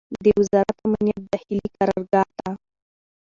د وزارت امنیت داخلي قرارګاه ته